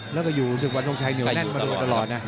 แล้วก็อยู่ศึกวันทรงชัยเหนียวแน่นมาโดยตลอดนะ